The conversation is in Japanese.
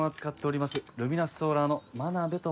ルミナスソーラーの真鍋と申します。